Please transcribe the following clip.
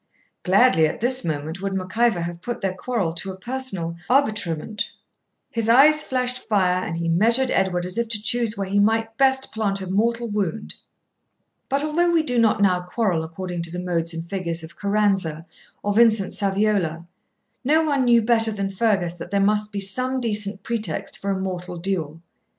Gladly at this moment would Mac Ivor have put their quarrel to a personal arbitrement, his eye flashed fire, and he measured Edward as if to choose where he might best plant a mortal wound. But although we do not now quarrel according to the modes and figures of Caranza or Vincent Saviola, no one knew better than Fergus that there must be some decent pretext for a mortal duel.